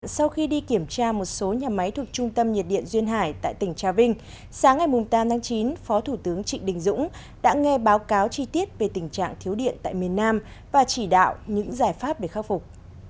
sau khi đi kiểm tra một số nhà máy thuộc trung tâm nhiệt điện duyên hải tại tỉnh trà vinh sáng ngày tám tháng chín phó thủ tướng trịnh đình dũng đã nghe báo cáo chi tiết về tình trạng thiếu điện tại miền nam và chỉ đạo những giải pháp để khắc phục